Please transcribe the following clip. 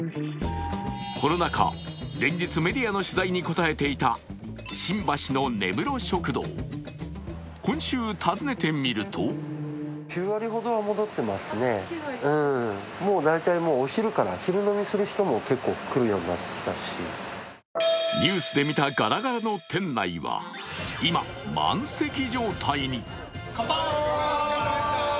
コロナ禍、連日メディアの取材に答えていた新橋の根室食堂、今週訪ねてみるとニュースで見たガラガラの店内は今、満席状態に。